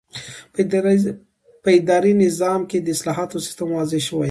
په اداري نظام کې د اصلاحاتو سیسټم واضح شوی دی.